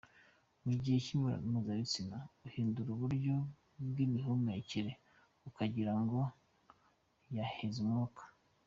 Mu gihe cy’imibonano mpuzabitsina ahindura uburyo bw’imihumekere ukagira ngo yaheze umwuka.